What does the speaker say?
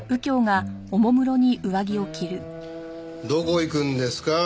どこ行くんですか？